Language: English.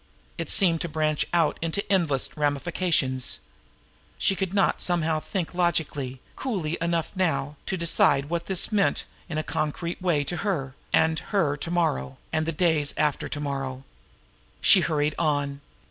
It seemed to branch out into endless ramifications. She could not somehow think logically, coolly enough now, to decide what this meant in a concrete way to her, and her to morrow, and the days after the to morrow. She hurried on.